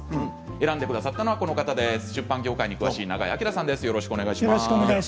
選んでくださったのは出版業界に詳しい永江朗さんです。